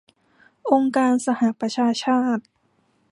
องค์การสหประชาชาติ